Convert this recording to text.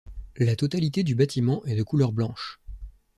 La totalité du bâtiment est de couleur blanche.